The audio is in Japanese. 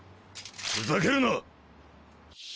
ふざけるなっ！